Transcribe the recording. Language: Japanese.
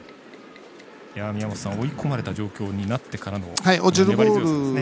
宮本さん追い込まれた状況になってからの粘り強さですね。